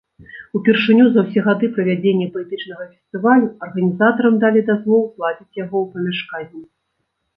Упершыню за ўсе гады правядзення паэтычнага фестывалю арганізатарам далі дазвол зладзіць яго ў памяшканні.